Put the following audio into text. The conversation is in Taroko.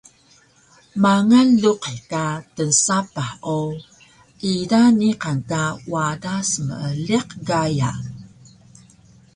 Mangal luqih ka tnsapah o ida niqan ka wada smeeliq gaya